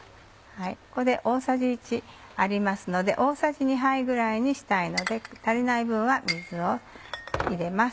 ここで大さじ１ありますので大さじ２杯ぐらいにしたいので足りない分は水を入れます。